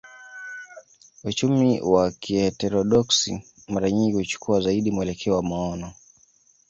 Uchumi wa kiheterodoksi mara nyingi huchukua zaidi mwelekeo wa maono